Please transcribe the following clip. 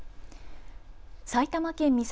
埼玉県美里